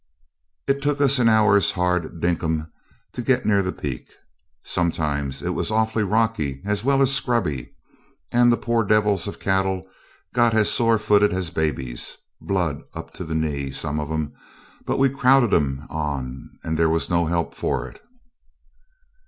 It took us an hour's hard dinkum to get near the peak. Sometimes it was awful rocky, as well as scrubby, and the poor devils of cattle got as sore footed as babies blood up to the knee, some of 'em; but we crowded 'em on; there was no help for it.